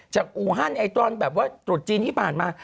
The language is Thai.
อูฮันไอตอนแบบว่าตรุษจีนที่ผ่านมา